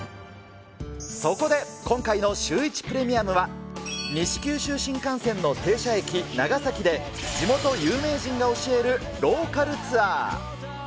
そこで今回のシューイチプレミアムは、西九州新幹線の停車駅、長崎で、地元有名人が教えるローカルツアー。